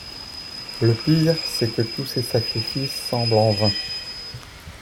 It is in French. Le pire, c’est que tous ces sacrifices semblent en vain.